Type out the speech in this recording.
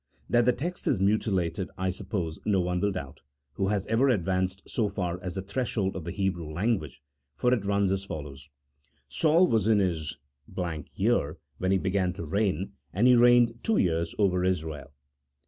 That the text is mutilated I suppose no one will doubt who has ever advanced so far as the threshold of the Hebrew lan guage, for it runs as follows :" Saul was in his year, when he began to reign, and he reigned two years over Israel."